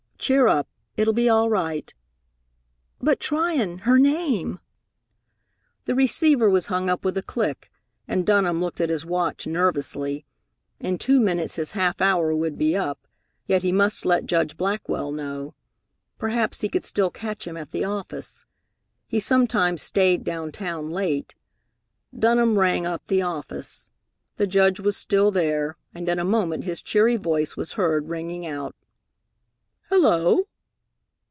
Cheer up, it'll be all right." "But, Tryon, her name " The receiver was hung up with a click, and Dunham looked at his watch nervously. In two minutes his half hour would be up, yet he must let Judge Blackwell know. Perhaps he could still catch him at the office. He sometimes stayed down town late. Dunham rang up the office. The Judge was still there, and in a moment his cheery voice was heard ringing out, "Hello!"